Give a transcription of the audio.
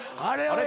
あれ？